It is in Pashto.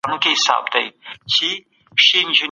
سینوهه وایي چي شراب مه څښئ.